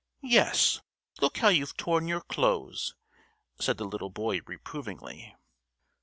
"Yes, look how you've torn your clothes," said the little boy reprovingly.